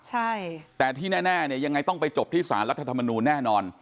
ใช่แต่ที่แน่เนี่ยยังไงต้องไปจบที่สารรัฐธรรมนูลแน่นอน